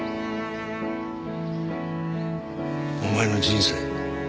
お前の人生